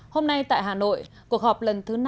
hôm nay tại hà nội cuộc họp lần thứ năm